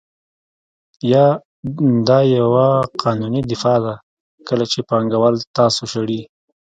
یا دا یوه قانوني دفاع ده کله چې پانګوال تاسو شړي